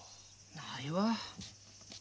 ないわ。